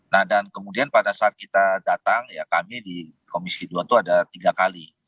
nah dan kemudian pada saat kita datang ya kami di komisi dua itu ada tiga kali